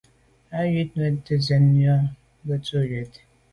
Á wʉ́ Wàtɛ̀ɛ́t nɔ́ɔ̀ nswɛ́ɛ̀n nyɔ̌ŋ bā ngə́tú’ cwɛ̀t.